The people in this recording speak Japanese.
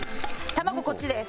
卵こっちです。